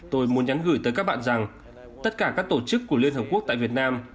tôi muốn nhắn gửi tới các bạn rằng tất cả các tổ chức của liên hợp quốc tại việt nam